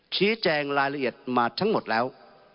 ชี้แจงรายละเอียดมาทั้งหมดแล้ว